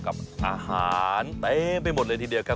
กับอาหารเต็มไปหมดเลยทีเดียวครับ